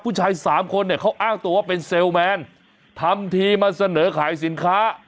ผู้ชายสามคนเนี่ยเขาอ้างตัวว่าเป็นเซลแมนทำทีมาเสนอขายสินค้า